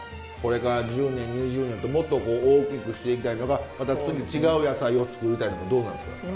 これから１０年２０年ともっと大きくしていきたいとかまた次違う野菜を作りたいとかどうなんですか？